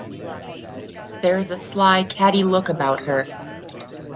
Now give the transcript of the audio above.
There is a sly, catty look about her.